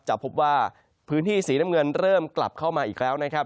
จะพบว่าพื้นที่สีน้ำเงินเริ่มกลับเข้ามาอีกแล้วนะครับ